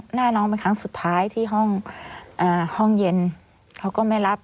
หน้าน้องเป็นครั้งสุดท้ายที่ห้องเย็นเขาก็ไม่รับ